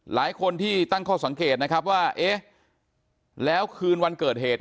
หลายคนที่ตั้งข้อสังเกตนะครับว่าเอ๊ะแล้วคืนวันเกิดเหตุ